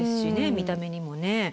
見た目にもね。